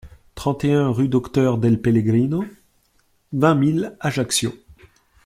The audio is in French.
trente et un rue Docteur Dell Pellegrino, vingt mille Ajaccio